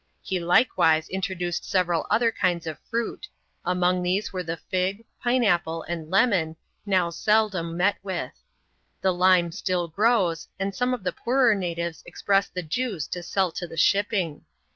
He likewise introduced several other kinds of fruit ; among these were the &g, pine apple, and lemon, now aeldoia met with. The lime still grows, and some of the poorer natives express the juice to sell to the shipping.